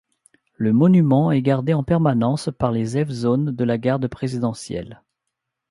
Le monument est gardé en permanence par les Evzones de la Garde Présidentielle.